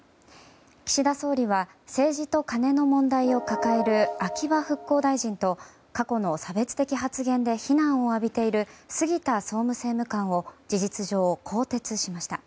岸田総理は政治とカネの問題を抱える秋葉復興大臣と過去の差別的発言で非難を浴びている杉田総務政務官を事実上更迭しました。